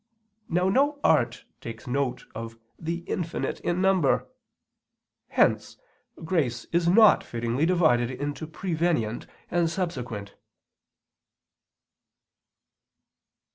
Now no art takes note of the infinite in number. Hence grace is not fittingly divided into prevenient and subsequent.